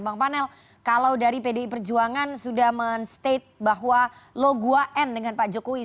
bang panel kalau dari pdi perjuangan sudah men state bahwa lo gua n dengan pak jokowi